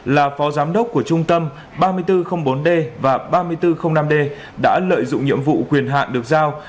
là phó giám đốc của trung tâm ba nghìn bốn trăm linh bốn d và ba nghìn bốn trăm linh năm d đã lợi dụng nhiệm vụ quyền hạn được giao